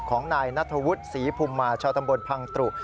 ของนายนัทธวุฒิศรีภูมิมาชาวตำบลพังตรุ